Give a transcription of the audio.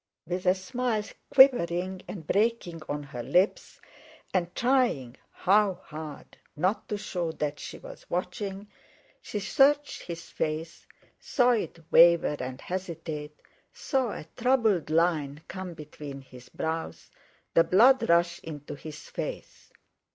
With a smile quivering and breaking on her lips, and trying, how hard, not to show that she was watching, she searched his face, saw it waver and hesitate, saw a troubled line come between his brows, the blood rush into his face.